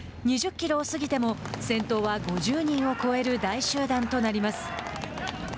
２０キロを過ぎても先頭は５０人を超える大集団となります。